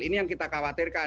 ini yang kita khawatirkan